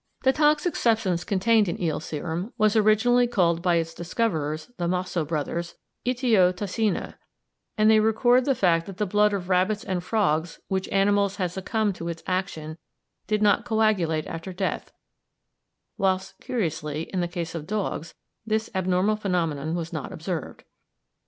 The toxic substance contained in eel serum was originally called by its discoverers, the Mosso brothers, ittio tossina; and they record the fact that the blood of rabbits and frogs, which animals had succumbed to its action, did not coagulate after death, whilst, curiously, in the case of dogs this abnormal phenomenon was not observed.